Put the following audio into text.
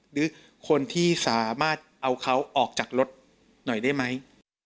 หรือคนที่สามารถเอาเขาออกจากรถหน่อยได้ไหม